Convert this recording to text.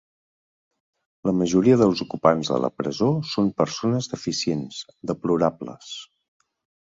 La majoria dels ocupants de la presó són persones deficients, deplorables.